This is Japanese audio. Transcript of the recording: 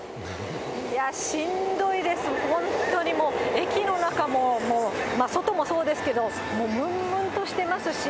いや、しんどいです、本当にもう、駅の中も、もう、外もそうですけど、もうむんむんとしてますし。